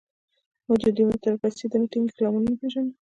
موږ د ډیموکراسۍ د نه ټینګښت لاملونه پېژنو.